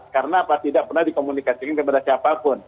karena tidak pernah dikomunikasikan kepada siapapun